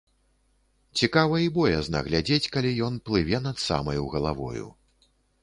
Цікава і боязна глядзець, калі ён плыве над самаю галавою.